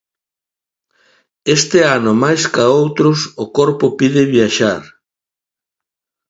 Este ano máis ca outros o corpo pide viaxar.